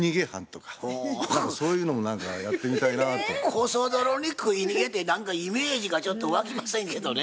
コソ泥に食い逃げて何かイメージがちょっと湧きませんけどね。